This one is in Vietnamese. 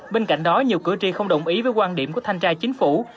bên cạnh đó nhiều cử tri không đồng ý với quan điểm của thanh tra chính phủ